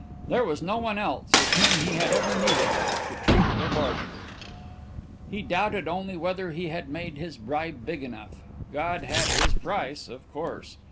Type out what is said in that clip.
There was no one else with whom he had ever needed to treat or bargain. He doubted only whether he had made his bribe big enough. God had His price, of course.